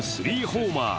３ホーマー。